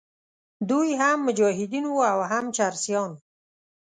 دوی هم مجاهدین وو او هم چرسیان.